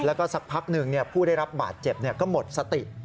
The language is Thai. แล้วก็สักพักหนึ่งผู้ได้รับบาดเจ็บก็หมดสติ